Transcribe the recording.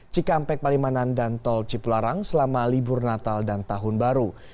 cikampek palimanan dan tol cipularang selama libur natal dan tahun baru